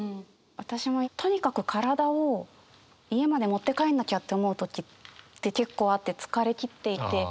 私もとにかく体を家まで持って帰んなきゃって思う時って結構あって疲れ切っていて。